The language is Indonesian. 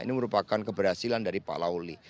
ini merupakan keberhasilan dari pak lauli